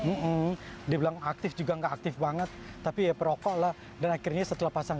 m m m dibilang aktif juga enggak aktif banget tapi ya perokok lah dan akhirnya setelah pasang